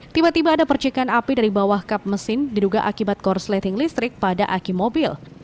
tiba tiba ada percikan api dari bawah kap mesin diduga akibat korsleting listrik pada aki mobil